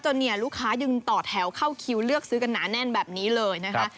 เนี่ยลูกค้ายังต่อแถวเข้าคิวเลือกซื้อกันหนาแน่นแบบนี้เลยนะคะ